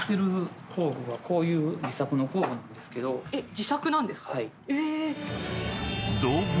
自作なんですか。